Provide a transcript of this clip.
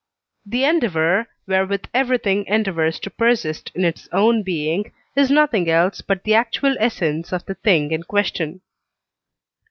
The endeavour, wherewith everything endeavours to persist in its own being, is nothing else but the actual essence of the thing in question.